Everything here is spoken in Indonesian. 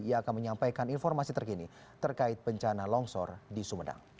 ia akan menyampaikan informasi terkini terkait bencana longsor di sumedang